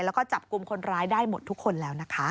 แล้วก็จับกลุ่มคนร้ายได้หมดทุกคนแล้วนะคะ